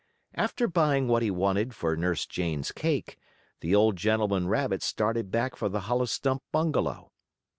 After buying what he wanted for Nurse Jane's cake, the old gentleman rabbit started back for the hollow stump bungalow.